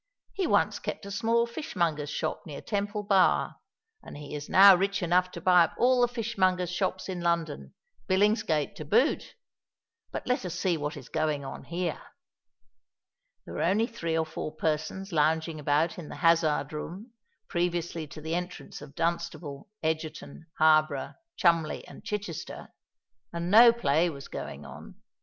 "He once kept a small fishmonger's shop near Temple Bar; and he is now rich enough to buy up all the fishmongers' shops in London, Billingsgate to boot. But let us see what is going on here." There were only three or four persons lounging about in the Hazard Room, previously to the entrance of Dunstable, Egerton, Harborough, Cholmondeley, and Chichester; and no play was going on.